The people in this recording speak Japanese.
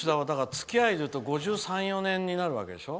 つきあいでいうと５３５４年になるわけでしょ。